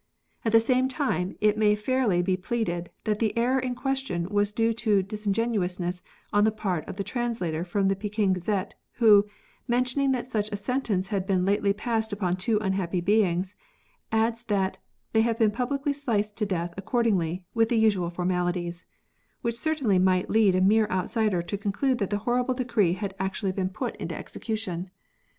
At the same time, it may fairly be pleaded that the error in question was due to disin genuousness on the part of the translator from the Peking Gazette who, mentioning that such a sentence had been lately passed upon two unhappy beings, adds that " they have been publicly sliced to death accordingly, with the usual formalities," — which cer tainly might lead a mere outsider to conclude that the horrible decree had actually been put into execu 136 TORTURE. tion.